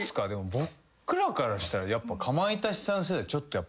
僕らからしたらやっぱ。